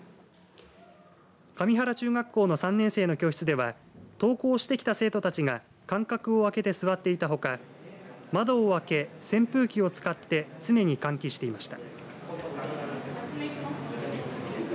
神原中学校の３年生の教室では登校してきた生徒たちが間隔を空けて座っていたほか窓を開け、扇風機を使って常に換気していました。